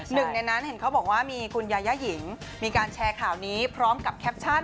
หนึ่งในนั้นเห็นเขาบอกว่ามีคุณยาย่าหญิงมีการแชร์ข่าวนี้พร้อมกับแคปชั่น